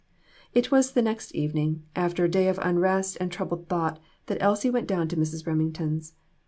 It was the next evening, after a day of unrest and troubled thought, that Elsie went down to Mrs. Remington's.